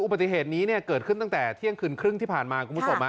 อุบัติเหตุนี้เกิดขึ้นตั้งแต่ที่เป็นเที่ยงคืนนี้ที่ผ่านมา